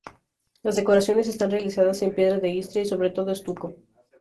Las decoraciones están realizadas en piedra de Istria y sobre todo estuco.